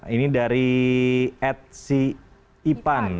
ini dari edsi ipan